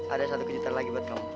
ada satu kejutan lagi buat kamu